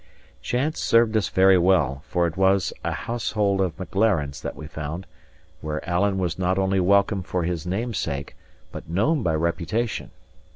Chance served us very well; for it was a household of Maclarens that we found, where Alan was not only welcome for his name's sake but known by reputation.